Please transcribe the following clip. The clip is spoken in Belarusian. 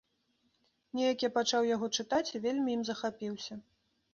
Неяк я пачаў яго чытаць і вельмі ім захапіўся.